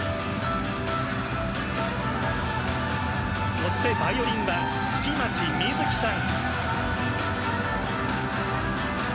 そして、バイオリンは式町水晶さん。